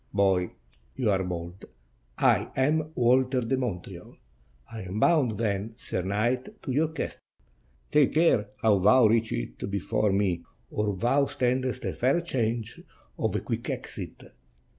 "Boy, you are bold; I am Walter de Montreal." "I am bound, then, sir knight, to your castle." "Take care how thou reach it before me, or thou standest a fair chance of a quick exit.